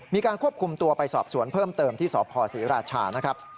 มีการควบคุมตัวไปสอบสวนเพิ่มเติมที่สพศรีราชานะครับ